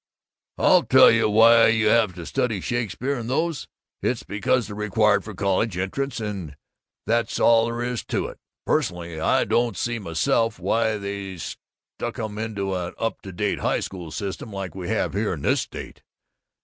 "I'll tell you why you have to study Shakespeare and those. It's because they're required for college entrance, and that's all there is to it! Personally, I don't see myself why they stuck 'em into an up to date high school system like we have in this state.